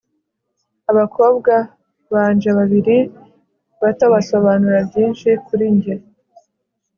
abakobwa banje babiri bato basobanura byinshi kuri njye